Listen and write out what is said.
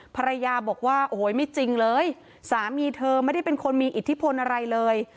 ภรรยาบอกว่าโอ้โหไม่จริงเลยสามีเธอไม่ได้เป็นคนมีอิทธิพลอะไรเลย